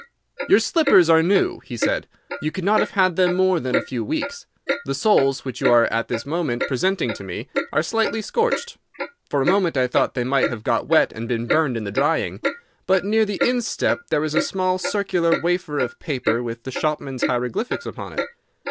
"Your slippers are new," he said. "You could not have had them more than a few weeks. The soles which you are at this moment presenting to me are slightly scorched. For a moment I thought they might have got wet and been burned in the drying. But near the instep there is a small circular wafer of paper with the shopman's hieroglyphics upon it.